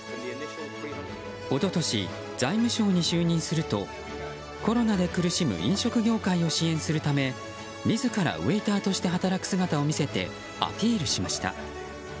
一昨年、財務相に就任するとコロナで苦しむ飲食業界を支援するため自らウェーターとして働く姿を見せてアピールしました。